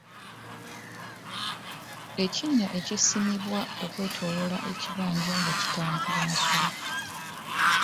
Ekinnya ekisimibwa okwetooloola ekibanja nga kitangira nsolo.